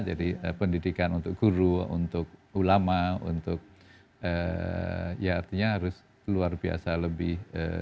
jadi pendidikan untuk guru untuk ulama untuk ya artinya harus luar biasa lebih